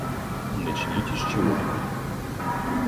Начните с чего-нибудь.